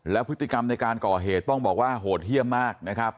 แล้วพฤติกรรมในการก่อเหตุต้องบอกว่าโหดเยี่ยมมากนะครับ